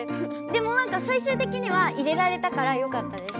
でもなんか最終的には入れられたからよかったです。